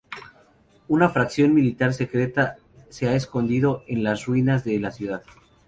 Una facción militar secreta se ha escondido en las ruinas de la ciudad.